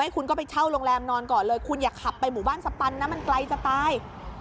คุณก็ไปเช่าโรงแรมนอนก่อนเลยคุณอย่าขับไปหมู่บ้านสปันนะมันไกลจะตาย